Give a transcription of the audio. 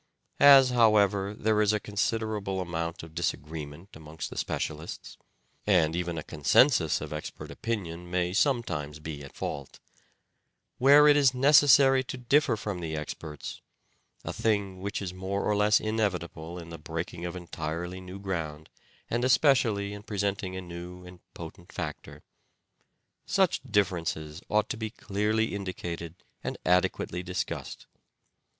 As, however, there is a considerable amount of disagreement amongst the specialists (and even a consensus of expert opinion may sometimes be at fault) : where it is necessary to differ from the experts — a thing which is more or less inevitable in the breaking of entirely new ground, and especially in presenting a new and potent factor — such differences ought to be clearly indicated and adequately discussed.